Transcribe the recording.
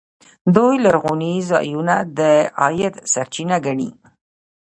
دوی لرغوني ځایونه د عاید سرچینه ګڼي.